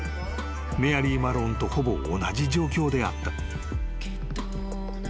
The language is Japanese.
メアリー・マローンとほぼ同じ状況であった］